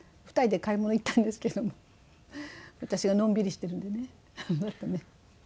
２人で買い物行ったんですけども私がのんびりしてるんでね。